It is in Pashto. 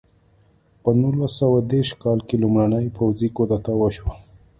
په نولس سوه دېرش کال کې لومړنۍ پوځي کودتا وشوه.